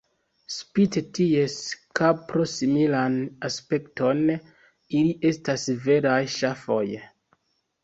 Spite ties kapro-similan aspekton, ili estas veraj ŝafoj.